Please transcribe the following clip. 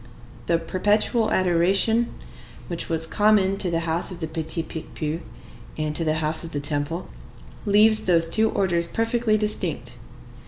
The Perpetual Adoration, which was common to the house of the Petit Picpus and to the house of the Temple, leaves those two orders perfectly distinct.